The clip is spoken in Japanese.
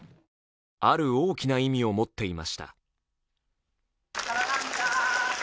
ある大きな意味を持っていました。